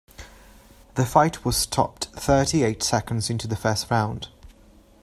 The fight was stopped thirty eight seconds into the first round.